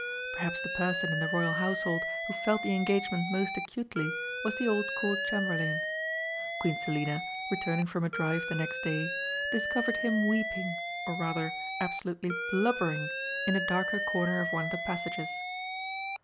Perhaps the person in the Royal Household who felt the engagement most acutely was the old Court Chamberlain. Queen Selina, returning from a drive the next day, discovered him weeping, or rather absolutely blubbering, in a darker corner of one of the passages.